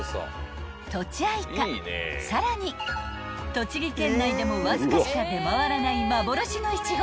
［さらに栃木県内でもわずかしか出回らない］